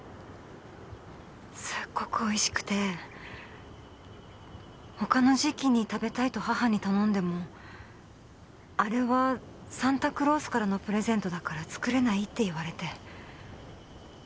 すごく美味しくて他の時期に食べたいと母に頼んでもあれはサンタクロースからのプレゼントだから作れないって言われて。